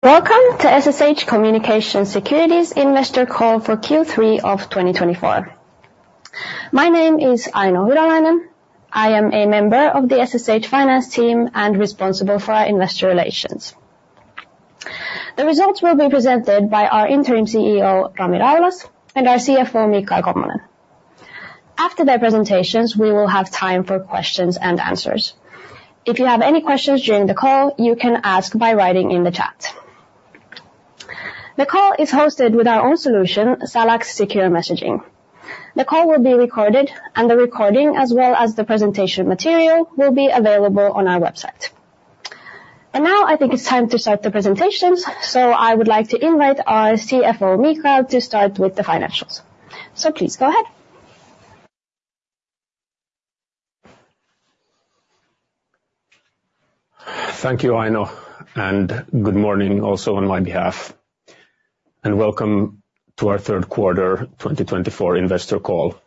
Welcome to SSH Communications Security Investor Call for Q3 of 2024. My name is Aino Hyväläinen. I am a member of the SSH finance team and responsible for our investor relations. The results will be presented by our interim CEO, Rami Raulas, and our CFO, Michael Kommonen. After their presentations, we will have time for questions and answers. If you have any questions during the call, you can ask by writing in the chat. The call is hosted with our own solution, SalaX Secure Messaging. The call will be recorded, and the recording, as well as the presentation material, will be available on our website, and now, I think it's time to start the presentations, so I would like to invite our CFO, Michael, to start with the financials, so please go ahead. Thank you, Aino, and good morning also on my behalf, and welcome to our third quarter 2024 investor call.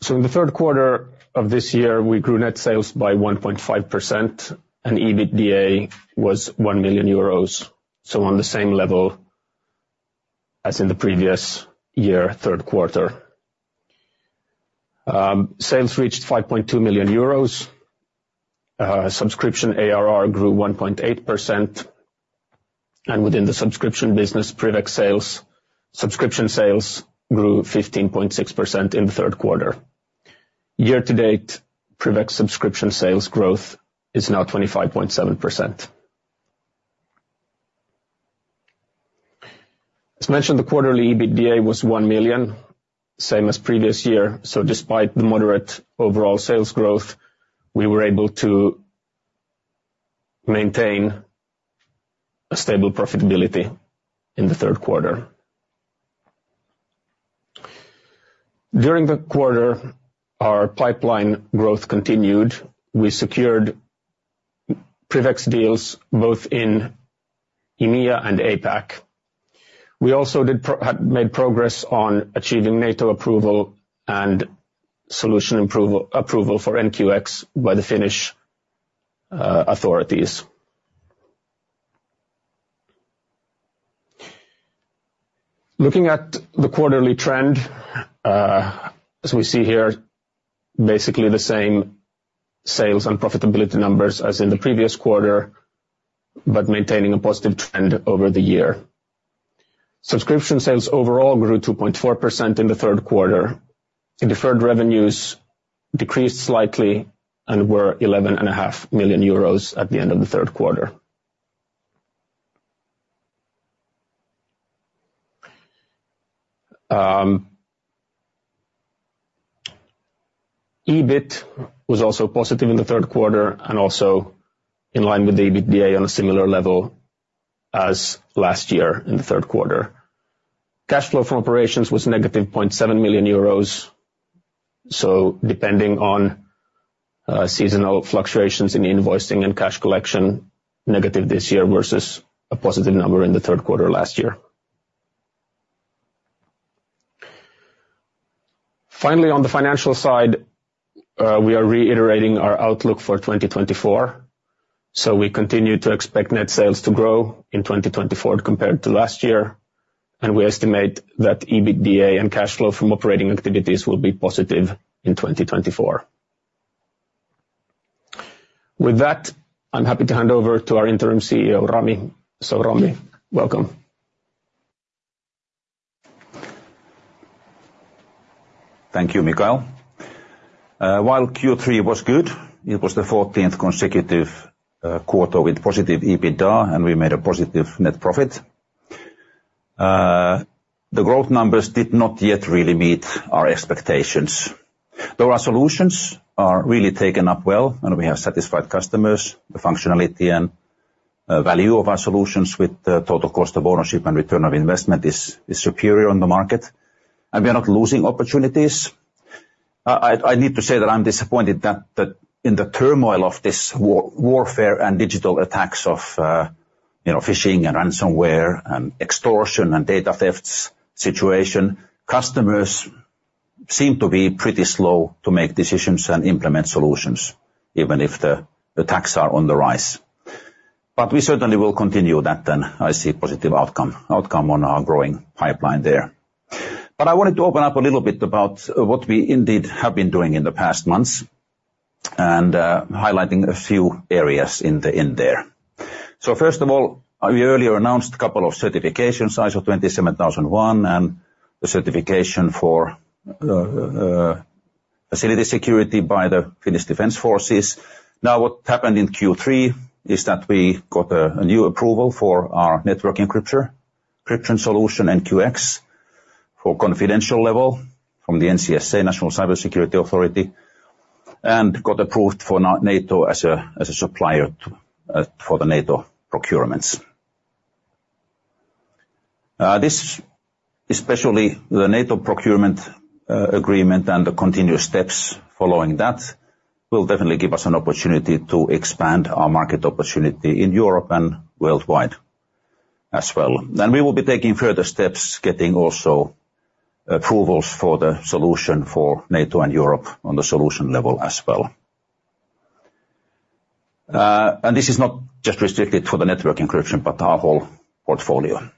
So in the third quarter of this year, we grew net sales by 1.5%, and EBITDA was 1 million euros, so on the same level as in the previous year, third quarter. Sales reached 5.2 million euros. Subscription ARR grew 1.8%, and within the subscription business, PrivX sales, subscription sales grew 15.6% in the third quarter. Year to date, PrivX subscription sales growth is now 25.7%. As mentioned, the quarterly EBITDA was 1 million EUR, same as previous year. So despite the moderate overall sales growth, we were able to maintain a stable profitability in the third quarter. During the quarter, our pipeline growth continued. We secured PrivX deals both in EMEA and APAC. We also had made progress on achieving NATO approval and solution approval for NQX by the Finnish authorities. Looking at the quarterly trend, as we see here, basically the same sales and profitability numbers as in the previous quarter, but maintaining a positive trend over the year. Subscription sales overall grew 2.4% in the third quarter, and deferred revenues decreased slightly and were 11.5 million euros at the end of the third quarter. EBIT was also positive in the third quarter and also in line with the EBITDA on a similar level as last year in the third quarter. Cash flow from operations was negative 0.7 million euros, so depending on seasonal fluctuations in the invoicing and cash collection, negative this year versus a positive number in the third quarter last year. Finally, on the financial side, we are reiterating our outlook for 2024. So we continue to expect net sales to grow in 2024 compared to last year, and we estimate that EBITDA and cash flow from operating activities will be positive in 2024. With that, I'm happy to hand over to our Interim CEO, Rami. So Rami, welcome. Thank you, Michael. While Q3 was good, it was the fourteenth consecutive quarter with positive EBITDA, and we made a positive net profit. The growth numbers did not yet really meet our expectations. Though our solutions are really taken up well, and we have satisfied customers, the functionality and value of our solutions with the total cost of ownership and return of investment is superior on the market, and we are not losing opportunities. I need to say that I'm disappointed that in the turmoil of this warfare and digital attacks of, you know, phishing and ransomware and extortion and data thefts situation, customers seem to be pretty slow to make decisions and implement solutions, even if the attacks are on the rise. But we certainly will continue that, and I see a positive outcome on our growing pipeline there. But I wanted to open up a little bit about what we indeed have been doing in the past months, and highlighting a few areas in there. So first of all, we earlier announced a couple of certifications, ISO 27001, and the certification for facility security by the Finnish Defense Forces. Now, what happened in Q3 is that we got a new approval for our network encryption solution, NQX, for confidential level from the NCSA, National Cybersecurity Authority, and got approved for NATO as a supplier for the NATO procurements. This, especially the NATO procurement agreement and the continuous steps following that, will definitely give us an opportunity to expand our market opportunity in Europe and worldwide as well. Then we will be taking further steps, getting also approvals for the solution for NATO and Europe on the solution level as well. And this is not just restricted for the network encryption, but our whole portfolio.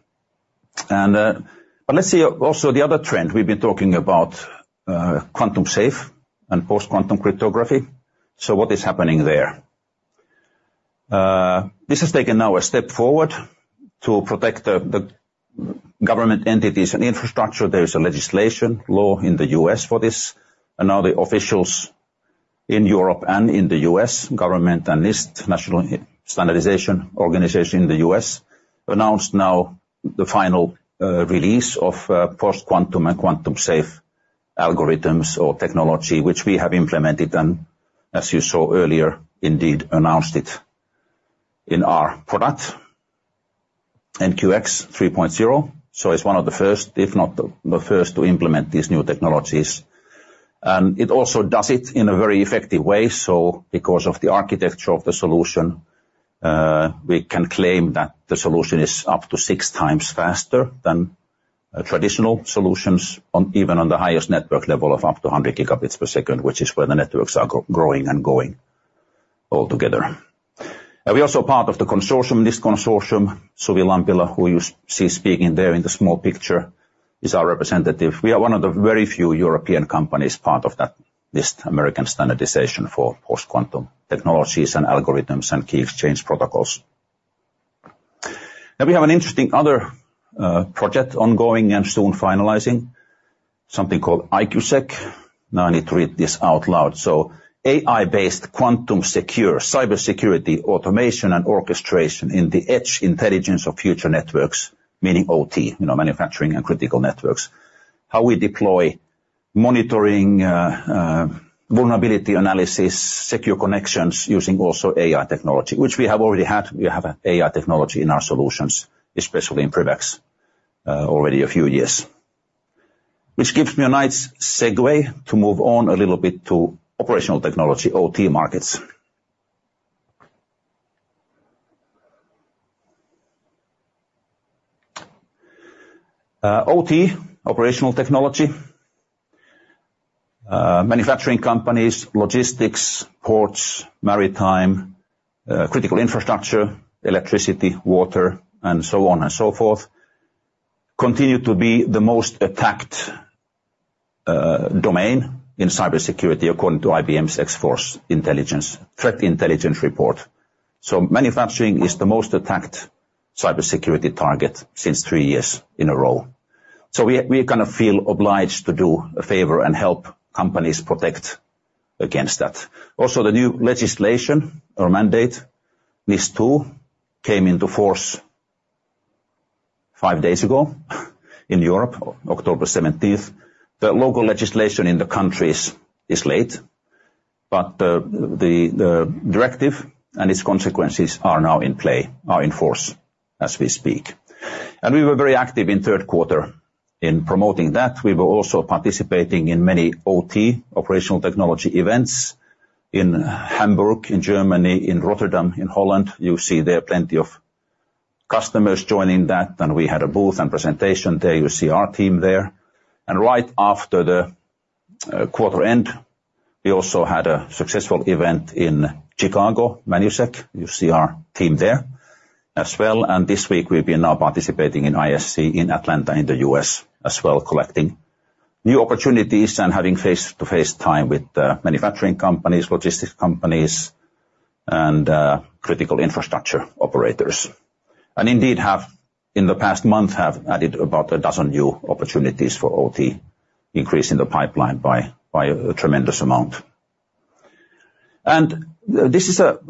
And, but let's see, also, the other trend we've been talking about, quantum safe and post-quantum cryptography. So what is happening there? This has taken now a step forward to protect the government entities and infrastructure. There is a legislation law in the U.S. for this, and now the officials in Europe and in the U.S. government, and NIST, National Institute of Standards and Technology in the U.S., announced now the final release of post-quantum and quantum safe algorithms or technology, which we have implemented, and as you saw earlier, indeed, announced it in our product, NQX 3.0, so it is one of the first, if not the first, to implement these new technologies, and it also does it in a very effective way, so because of the architecture of the solution, we can claim that the solution is up to six times faster than traditional solutions even on the highest network level of up to 100 gigabits per second, which is where the networks are growing and going altogether. And we're also part of the consortium. This consortium, Suvi Lampila, who you see speaking there in the small picture, is our representative. We are one of the very few European companies part of that. This American standardization for post-quantum technologies and algorithms and key exchange protocols. Then we have an interesting other project ongoing and soon finalizing, something called AI-Q-SEC. Now, I need to read this out loud: AI-based quantum-secure cybersecurity, automation, and orchestration in the edge intelligence of future networks, meaning OT, you know, manufacturing and critical networks. How we deploy monitoring, vulnerability analysis, secure connections, using also AI technology, which we have already had. We have AI technology in our solutions, especially in PrivX already a few years. Which gives me a nice segue to move on a little bit to operational technology, OT markets. OT, operational technology, manufacturing companies, logistics, ports, maritime, critical infrastructure, electricity, water, and so on and so forth, continue to be the most attacked domain in cybersecurity, according to IBM's X-Force threat intelligence report. Manufacturing is the most attacked cybersecurity target since three years in a row. We kind of feel obliged to do a favor and help companies protect against that. Also, the new legislation or mandate, NIS2, came into force five days ago, in Europe, October seventeenth. The local legislation in the countries is late, but the directive and its consequences are now in play, are in force as we speak. We were very active in third quarter in promoting that. We were also participating in many OT, operational technology events in Hamburg, in Germany, in Rotterdam, in Holland. You see there plenty of customers joining that, and we had a booth and presentation there. You see our team there. And right after the quarter-end, we also had a successful event in Chicago, ManuSec. You see our team there as well, and this week, we've been now participating in ISC in Atlanta, in the U.S. as well, collecting new opportunities and having face-to-face time with manufacturing companies, logistics companies, and critical infrastructure operators. And indeed, in the past month, have added about a dozen new opportunities for OT, increasing the pipeline by a tremendous amount. And this is a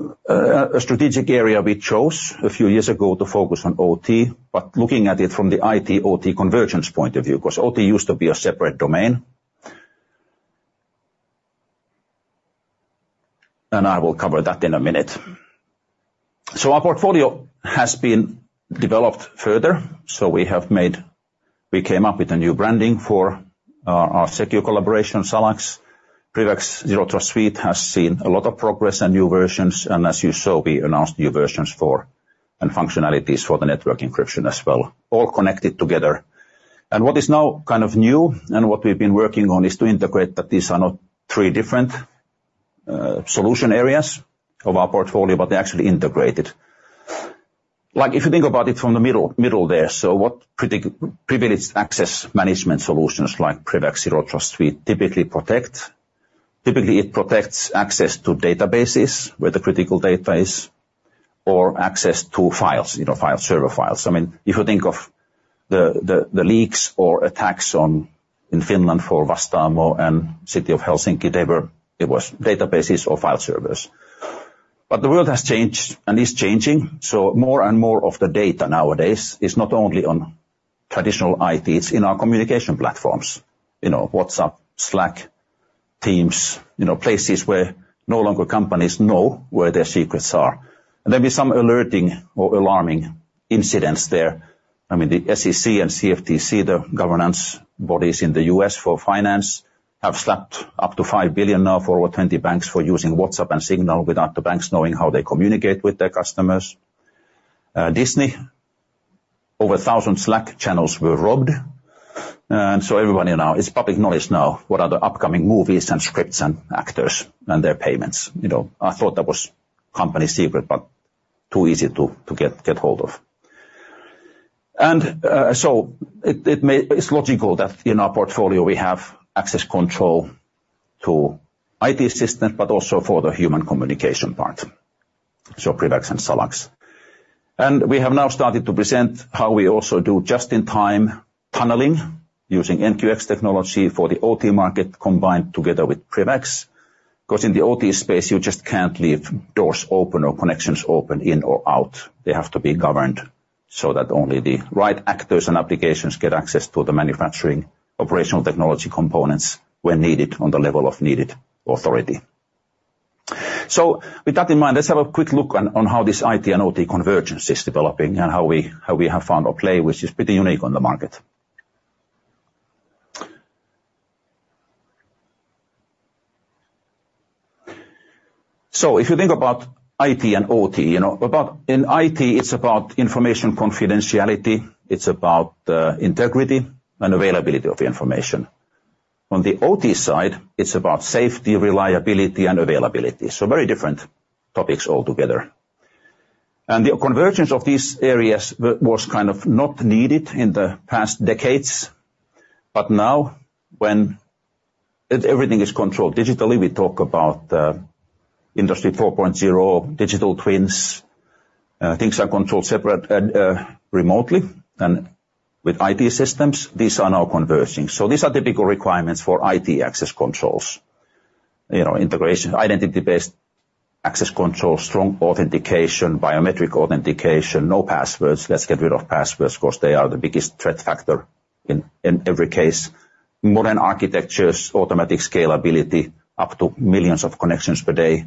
strategic area we chose a few years ago to focus on OT, but looking at it from the IT-OT convergence point of view, 'cause OT used to be a separate domain. And I will cover that in a minute. Our portfolio has been developed further, so we have made. We came up with a new branding for our secure collaboration, SalaX. PrivX Zero Trust Suite has seen a lot of progress and new versions, and as you saw, we announced new versions for and functionalities for the network encryption as well, all connected together. What is now kind of new, and what we've been working on, is to integrate that these are not three different solution areas of our portfolio, but they're actually integrated. Like, if you think about it from the middle there, so what privileged access management solutions like PrivX Zero Trust Suite typically protect. Typically, it protects access to databases, where the critical data is, or access to files, you know, file server files. I mean, if you think of the leaks or attacks on, in Finland for Vastaamo and City of Helsinki, it was databases or file servers. But the world has changed and is changing, so more and more of the data nowadays is not only on traditional IT, it's in our communication platforms, you know, WhatsApp, Slack, Teams, you know, places where no longer companies know where their secrets are. There'll be some alerting or alarming incidents there. I mean, the SEC and CFTC, the governance bodies in the US for finance, have slapped up to $5 billion now for over 20 banks for using WhatsApp and Signal without the banks knowing how they communicate with their customers. Disney, over 1,000 Slack channels were robbed. And so everybody now, it's public knowledge now, what are the upcoming movies and scripts and actors and their payments. You know, I thought that was company secret, but too easy to get hold of. And it's logical that in our portfolio, we have access control to IT system, but also for the human communication part, so PrivX and SalaX. And we have now started to present how we also do just-in-time tunneling using NQX technology for the OT market, combined together with PrivX. 'Cause in the OT space, you just can't leave doors open or connections open, in or out. They have to be governed so that only the right actors and applications get access to the manufacturing operational technology components when needed on the level of needed authority. So with that in mind, let's have a quick look on how this IT and OT convergence is developing, and how we have found our play, which is pretty unique on the market. So if you think about IT and OT, you know, about in IT, it's about information confidentiality, it's about integrity and availability of the information. On the OT side, it's about safety, reliability and availability, so very different topics altogether. And the convergence of these areas was kind of not needed in the past decades, but now, when everything is controlled digitally, we talk about Industry 4.0, digital twins, things are controlled separate and remotely and with IT systems, these are now converging. So these are typical requirements for IT access controls. You know, integration, identity-based access control, strong authentication, biometric authentication, no passwords. Let's get rid of passwords 'cause they are the biggest threat factor in every case. Modern architectures, automatic scalability, up to millions of connections per day,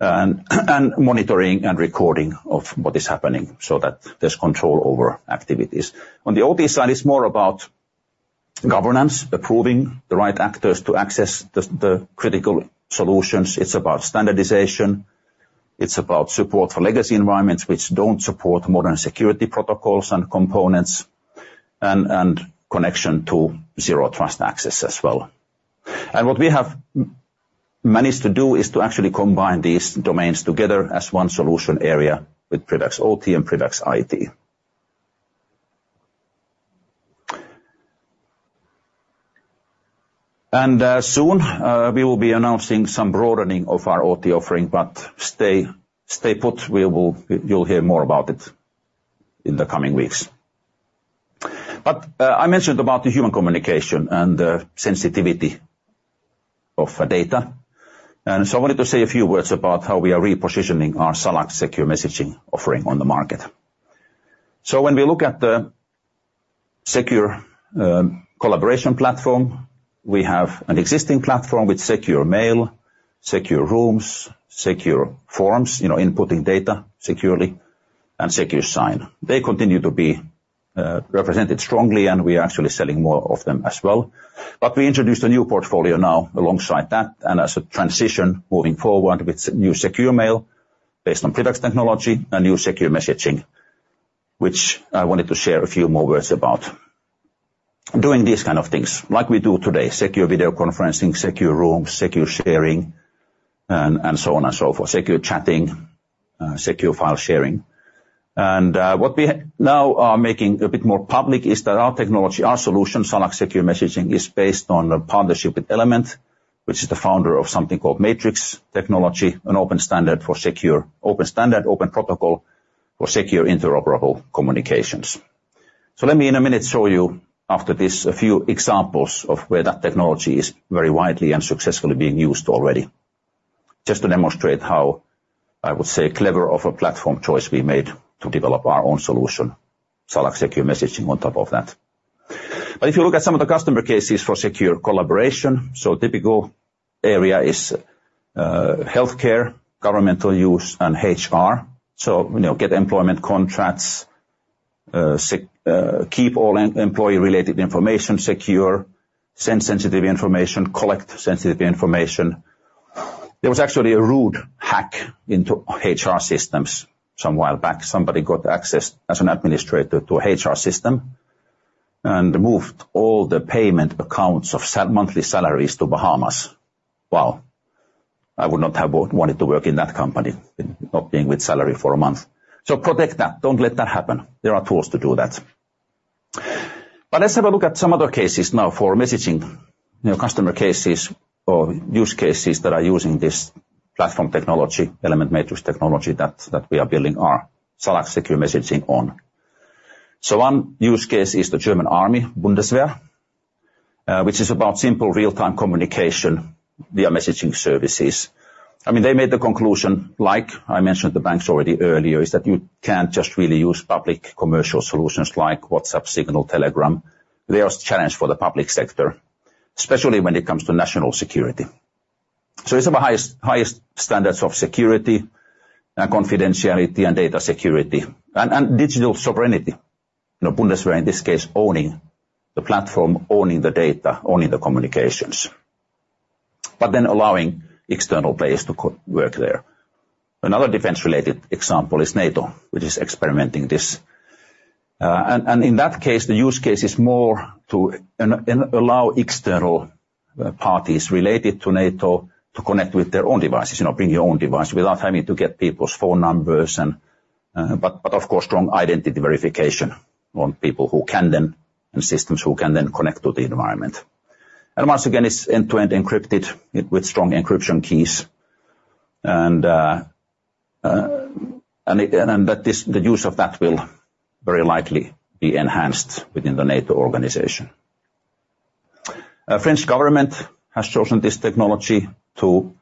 and monitoring and recording of what is happening so that there's control over activities. On the OT side, it's more about governance, approving the right actors to access the critical solutions. It's about standardization, it's about support for legacy environments which don't support modern security protocols and components, and connection to Zero Trust access as well. And what we have managed to do is to actually combine these domains together as one solution area with PrivX OT and PrivX IT. And soon, we will be announcing some broadening of our OT offering, but stay put. You'll hear more about it in the coming weeks. But I mentioned about the human communication and the sensitivity of data, and so I wanted to say a few words about how we are repositioning our SalaX secure messaging offering on the market. So when we look at the secure collaboration platform, we have an existing platform with secure mail, secure rooms, secure forms, you know, inputting data securely, and secure sign. They continue to be represented strongly, and we are actually selling more of them as well. But we introduced a new portfolio now alongside that, and as a transition moving forward with new secure mail based on Matrix technology and new secure messaging, which I wanted to share a few more words about. Doing these kind of things, like we do today, secure video conferencing, secure rooms, secure sharing, and so on and so forth, secure chatting, secure file sharing. What we now are making a bit more public is that our technology, our solution, SalaX Secure Messaging, is based on a partnership with Element, which is the founder of something called Matrix, an open standard for secure, open protocol for secure, interoperable communications. Let me, in a minute, show you, after this, a few examples of where that technology is very widely and successfully being used already. Just to demonstrate how, I would say, clever of a platform choice we made to develop our own solution, SalaX Secure Messaging, on top of that. If you look at some of the customer cases for secure collaboration, typical area is healthcare, governmental use, and HR. You know, get employment contracts, keep all employee-related information secure, send sensitive information, collect sensitive information. There was actually a rude hack into HR systems some while back. Somebody got access as an administrator to a HR system and moved all the payment accounts of salaries monthly salaries to Bahamas. Wow! I would not have wanted to work in that company, not being with salary for a month. So protect that. Don't let that happen. There are tools to do that. But let's have a look at some other cases now for messaging, you know, customer cases or use cases that are using this platform technology, Element Matrix technology, that we are building our SalaX secure messaging on. So one use case is the German Army, Bundeswehr, which is about simple, real-time communication via messaging services. I mean, they made the conclusion, like I mentioned, the banks already earlier, is that you can't just really use public commercial solutions like WhatsApp, Signal, Telegram. There's challenge for the public sector, especially when it comes to national security. So it's of the highest, highest standards of security and confidentiality and data security, and digital sovereignty. You know, Bundeswehr, in this case, owning the platform, owning the data, owning the communications, but then allowing external players to co-work there. Another defense-related example is NATO, which is experimenting this. And in that case, the use case is more to allow external parties related to NATO to connect with their own devices, you know, bring your own device, without having to get people's phone numbers, but of course, strong identity verification on people who can then, and systems who can then connect to the environment. Once again, it's end-to-end encrypted with strong encryption keys, and then that this, the use of that will very likely be enhanced within the NATO organization. French government has chosen this technology to.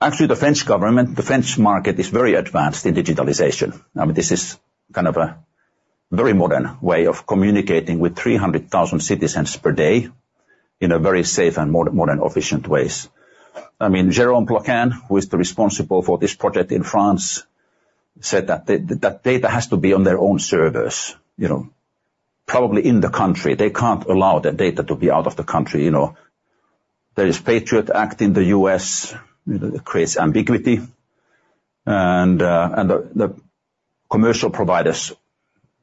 Actually, the French government, the French market is very advanced in digitalization. I mean, this is kind of a very modern way of communicating with 230,000 citizens per day in a very safe and modern, efficient ways. I mean, Jérôme Ploquin, who is the responsible for this project in France, said that the data has to be on their own servers, you know, probably in the country. They can't allow the data to be out of the country, you know. There is the Patriot Act in the US, you know, that creates ambiguity, and the commercial providers'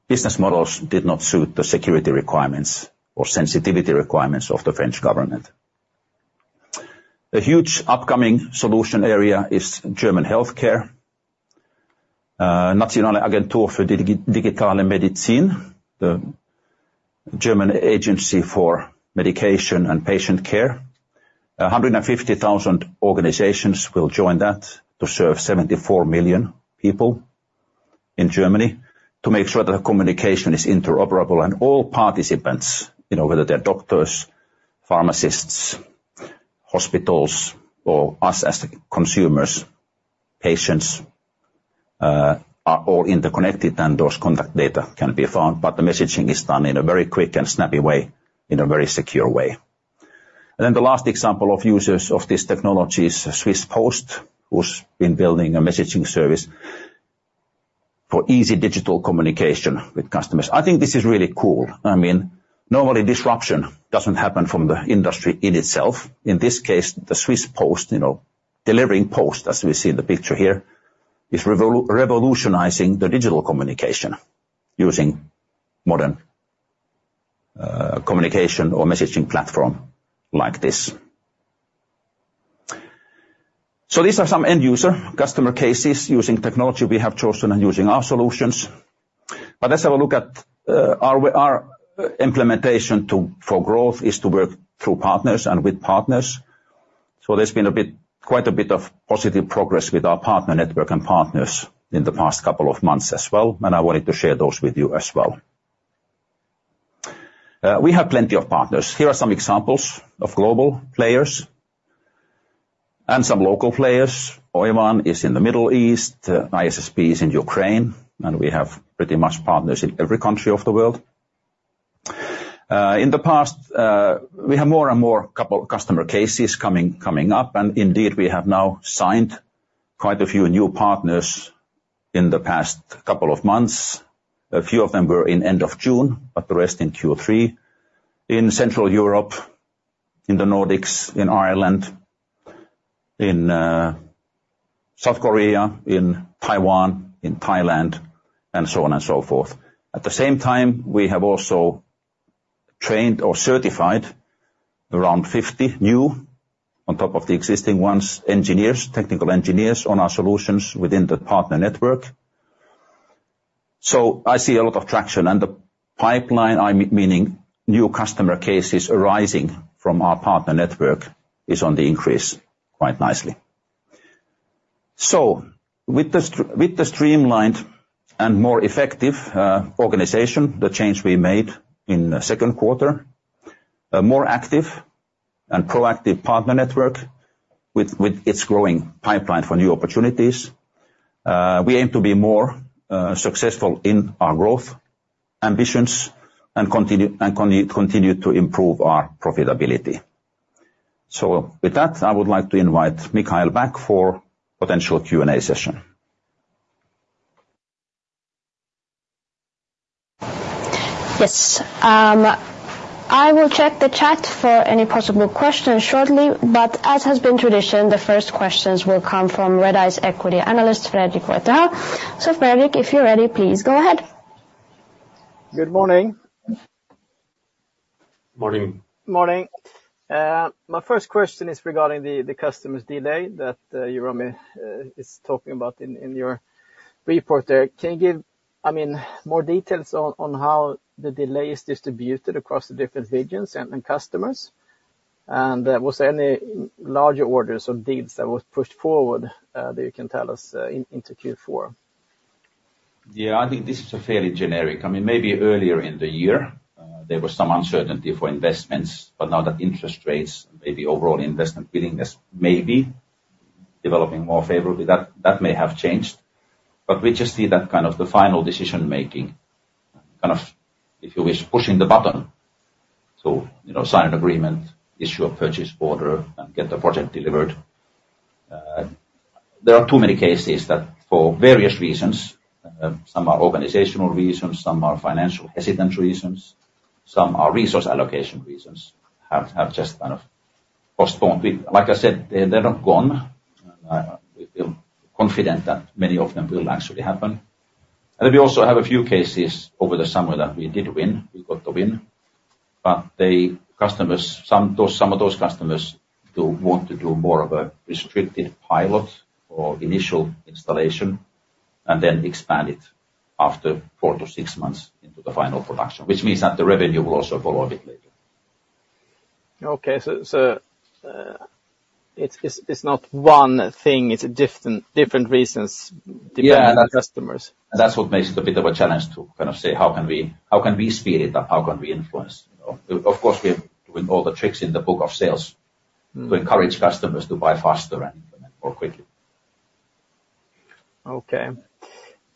business models did not suit the security requirements or sensitivity requirements of the French government. A huge upcoming solution area is German healthcare, Nationale Agentur für Digitale Medizin, the German agency for medication and patient care. 150,000 organizations will join that to serve 74 million people in Germany to make sure that the communication is interoperable and all participants, you know, whether they're doctors, pharmacists, hospitals, or us as the consumers, patients, are all interconnected, and those contact data can be found, but the messaging is done in a very quick and snappy way, in a very secure way. And then the last example of users of this technology is Swiss Post, who's been building a messaging service for easy digital communication with customers. I think this is really cool. I mean, normally, disruption doesn't happen from the industry in itself. In this case, the Swiss Post, you know, delivering post, as we see in the picture here, is revolutionizing the digital communication using modern, communication or messaging platform like this. So these are some end user customer cases using technology we have chosen and using our solutions. But let's have a look at, our implementation to, for growth is to work through partners and with partners. So there's been a bit, quite a bit of positive progress with our partner network and partners in the past couple of months as well, and I wanted to share those with you as well. We have plenty of partners. Here are some examples of global players and some local players. Oivan is in the Middle East, ISSP is in Ukraine, and we have pretty much partners in every country of the world. In the past, we have more and more couple customer cases coming up, and indeed, we have now signed quite a few new partners in the past couple of months. A few of them were at the end of June, but the rest in Q3, in Central Europe, in the Nordics, in Ireland, in South Korea, in Taiwan, in Thailand, and so on and so forth. At the same time, we have also trained or certified around 50 new, on top of the existing ones, technical engineers on our solutions within the partner network. I see a lot of traction, and the pipeline, I mean, meaning new customer cases arising from our partner network, is on the increase quite nicely. With the streamlined and more effective organization, the change we made in the second quarter, a more active and proactive partner network with its growing pipeline for new opportunities, we aim to be more successful in our growth ambitions and continue to improve our profitability. With that, I would like to invite Michael back for potential Q&A session. Yes. I will check the chat for any possible questions shortly, but as has been tradition, the first questions will come from Redeye's equity analyst, Fredrik Reuterhäll. So Fredrik, if you're ready, please go ahead. Good morning. Morning. Morning. My first question is regarding the customer's delay that Rami is talking about in your report there. Can you give, I mean, more details on how the delay is distributed across the different regions and customers? Was there any larger orders or deals that was pushed forward that you can tell us into Q4? Yeah, I think this is a fairly generic. I mean, maybe earlier in the year, there was some uncertainty for investments, but now that interest rates, maybe overall investment willingness may be developing more favorably, that may have changed. But we just see that kind of the final decision-making kind of, if you wish, pushing the button. So, you know, sign an agreement, issue a purchase order, and get the project delivered. There are too many cases that for various reasons, some are organizational reasons, some are financial hesitant reasons, some are resource allocation reasons, have just kind of postponed. We, like I said, they're not gone. We feel confident that many of them will actually happen. And then we also have a few cases over the summer that we did win. We got the win, but the customers, some of those customers do want to do more of a restricted pilot or initial installation, and then expand it after four to six months into the final production, which means that the revenue will also follow a bit later. Okay, so it's not one thing, it's different reasons- Yeah. Depending on the customers. That's what makes it a bit of a challenge to kind of say, how can we, how can we speed it up? How can we influence? Of course, we have doing all the tricks in the book of sales- Mm. To encourage customers to buy faster and more quickly. Okay.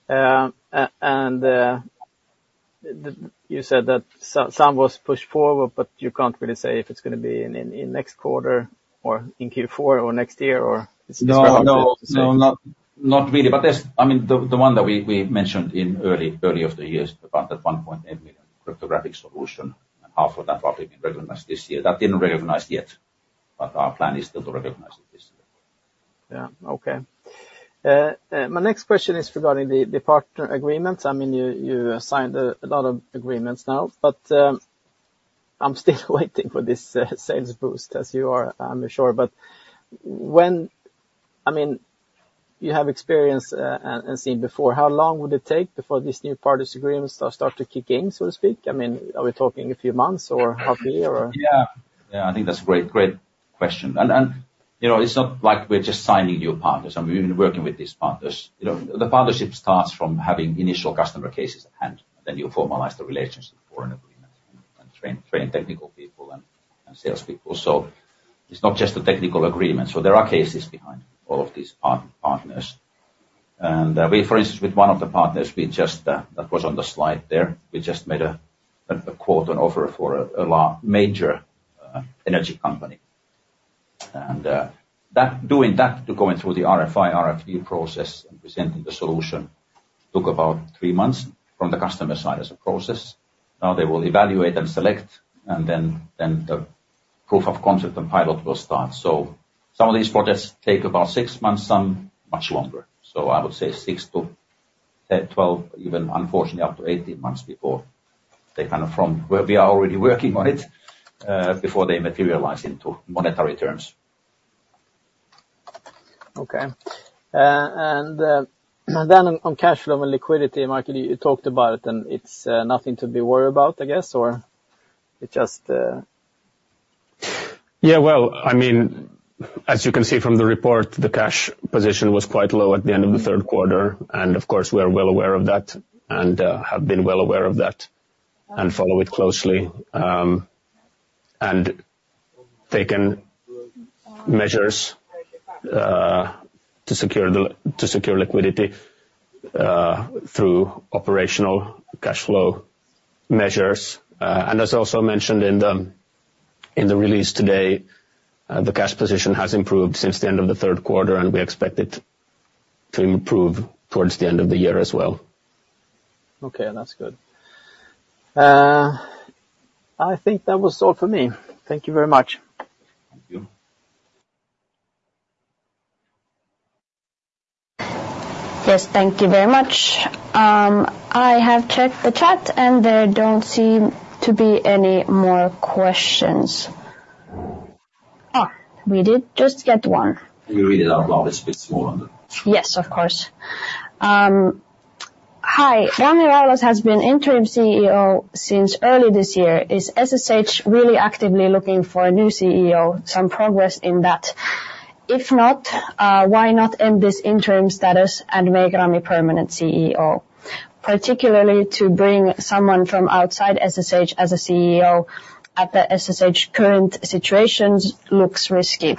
And you said that some was pushed forward, but you can't really say if it's gonna be in next quarter or in Q4, or next year, or it's- No, not really. But there's, I mean, the one that we mentioned in early of the year is about that 1.8 million cryptographic solution, and half of that will be recognized this year. That didn't recognize yet, but our plan is still to recognize it this year. Yeah, okay. My next question is regarding the partner agreement. I mean, you signed a lot of agreements now, but I'm still waiting for this sales boost, as you are, I'm sure. But when... I mean, you have experience and seen before, how long would it take before these new partners agreements start to kick in, so to speak? I mean, are we talking a few months or half a year, or? Yeah. Yeah, I think that's a great, great question. And, you know, it's not like we're just signing new partners. I mean, we've been working with these partners. You know, the partnership starts from having initial customer cases at hand, then you formalize the relationship for an agreement and train technical people and salespeople. So it's not just a technical agreement. So there are cases behind all of these partners. And, for instance, with one of the partners, we just, that was on the slide there, we just made a quote, an offer for a large major energy company. And that, doing that to going through the RFI, RFP process and presenting the solution, took about three months from the customer side as a process. Now, they will evaluate and select, and then the proof of concept and pilot will start. So some of these projects take about six months, some much longer. So I would say six to twelve, even unfortunately, up to eighteen months before they kind of from where we are already working on it, before they materialize into monetary terms. Okay, and then on cash flow and liquidity, Michael, you talked about it, and it's nothing to be worried about, I guess, or it just Yeah, well, I mean, as you can see from the report, the cash position was quite low at the end of the third quarter, and of course, we are well aware of that, and have been well aware of that, and follow it closely, and taken measures to secure liquidity through operational cash flow measures, and as also mentioned in the release today, the cash position has improved since the end of the third quarter, and we expect it to improve towards the end of the year as well. Okay, that's good. I think that was all for me. Thank you very much. Thank you. Yes, thank you very much. I have checked the chat, and there don't seem to be any more questions. We did just get one. Can you read it out loud? It's a bit smaller. Yes, of course. Hi, Rami Raulas has been interim CEO since early this year. Is SSH really actively looking for a new CEO, some progress in that? If not, why not end this interim status and make Rami permanent CEO? Particularly, to bring someone from outside SSH as a CEO at the SSH current situations looks risky.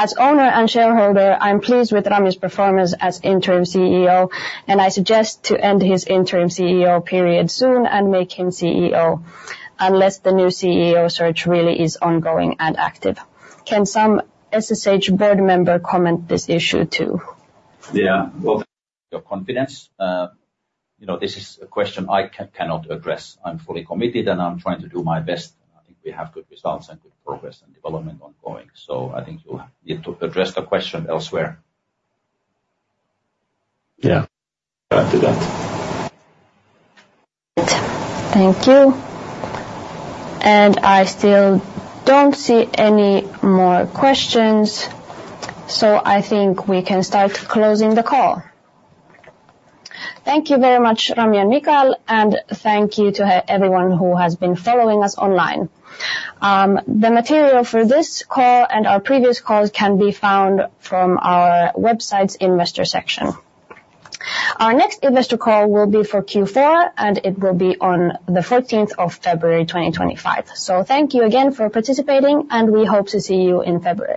As owner and shareholder, I'm pleased with Rami's performance as interim CEO, and I suggest to end his interim CEO period soon and make him CEO, unless the new CEO search really is ongoing and active. Can some SSH board member comment this issue, too? Yeah, well, your confidence, you know, this is a question I cannot address. I'm fully committed, and I'm trying to do my best. I think we have good results and good progress and development ongoing, so I think you'll have yet to address the question elsewhere. Yeah. Go after that. Thank you. And I still don't see any more questions, so I think we can start closing the call. Thank you very much, Rami and Michael, and thank you to everyone who has been following us online. The material for this call and our previous calls can be found from our website's investor section. Our next investor call will be for Q4, and it will be on the fourteenth of February, 2025. So thank you again for participating, and we hope to see you in February.